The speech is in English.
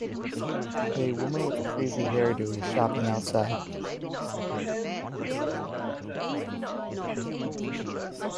A woman with a crazy hairdo is shopping outside.